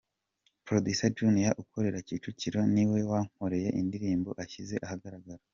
Producer Junior ukorera Kicukiro, ni we wankoreye indirimbon ashyize ahagaragara.